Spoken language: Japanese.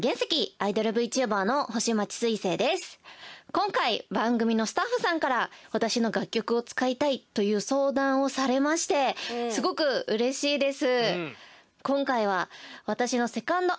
今回番組のスタッフさんから私の楽曲を使いたいという相談をされましてすごくうれしいです。